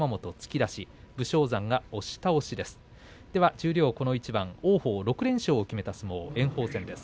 十両この一番、王鵬が６連勝を決めた相撲です。